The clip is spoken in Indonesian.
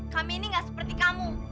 kami ini gak seperti kamu